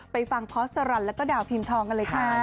ไปฟังพอสรรแล้วก็ดาวพิมพ์ทองกันเลยค่ะ